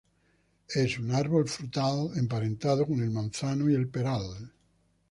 Es un árbol frutal emparentado con el manzano y el peral.